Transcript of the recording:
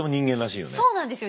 そうなんですよ。